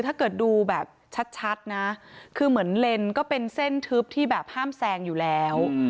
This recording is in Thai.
ถ้าเกิดดูแบบชัดนะคือเหมือนเลนก็เป็นเส้นทึบที่แบบห้ามแซงอยู่แล้ว